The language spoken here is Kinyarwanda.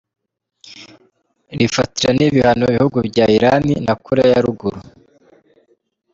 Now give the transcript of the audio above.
Rifatira n'ibihano ibihugu vya Irani na Korea ya Ruguru.